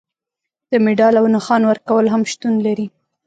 د مډال او نښان ورکول هم شتون لري.